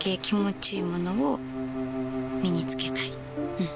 うん。